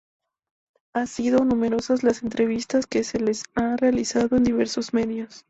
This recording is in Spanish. Han sido numerosas las entrevistas que se le han realizado en diversos medios.